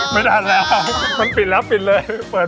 ไม่ทันแล้วมันปิดแล้วปิดเลย